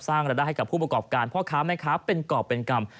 รายได้ให้กับผู้ประกอบการพ่อค้าแม่ค้าเป็นกรอบเป็นกรรม